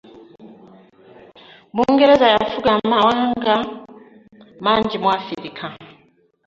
Bungereza yafuga amawanga mangi mu Africa.